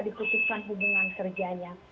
dikutukan hubungan kerjanya